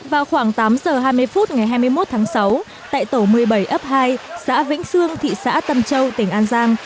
vào khoảng tám giờ hai mươi phút ngày hai mươi một tháng sáu tại tổ một mươi bảy ấp hai xã vĩnh sương thị xã tân châu tỉnh an giang